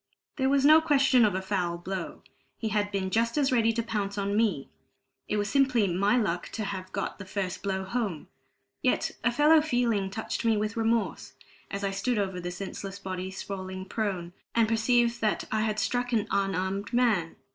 There was no question of a foul blow. He had been just as ready to pounce on me; it was simply my luck to have got the first blow home. Yet a fellow feeling touched me with remorse, as I stood over the senseless body, sprawling prone, and perceived that I had struck an unarmed man.